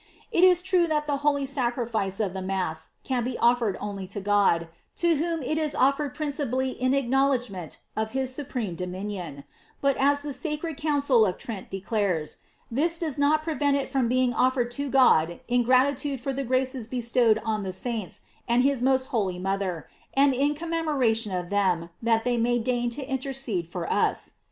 It is true that the holy sac rifice of the Mass can be offered only to God, to whom it is offered principally in acknowledgment of his supreme dominion; but as the sacred Council of Trent declares,* this does not prevent it from being offered to God in gratitude for the graces bestowed on the saints and his most holy mother, and in commemoration of them, that they may deign to intercede for us.